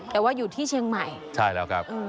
แต่ว่าอยู่ที่เชียงใหม่ใช่แล้วครับ